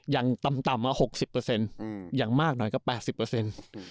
อย่างต่ำ๖๐อย่างมากน้อยก็๘๐